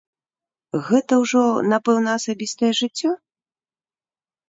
Гэта ўжо, напэўна, асабістае жыццё?